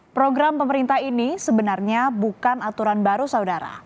program pemerintah ini sebenarnya bukan aturan baru saudara